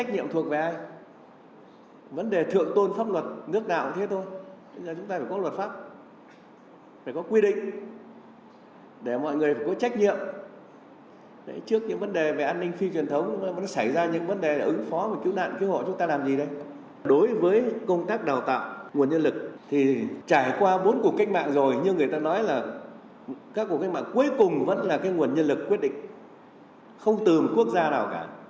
như người ta nói là các cuộc cách mạng cuối cùng vẫn là nguồn nhân lực quyết định không từng quốc gia nào cả